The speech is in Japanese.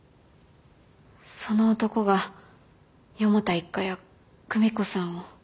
その男が四方田一家や久美子さんを。